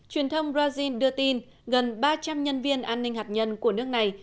truyền thông brazil đưa tin gần ba trăm linh nhân viên an ninh hạt nhân của nước này